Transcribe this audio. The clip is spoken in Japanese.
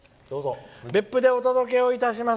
別府でお届けをします。